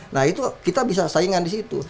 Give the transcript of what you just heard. nah itu kita bisa saingan disitu